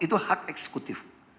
itu hak eksekutif